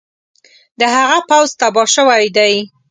د هغه پوځ تباه شوی دی.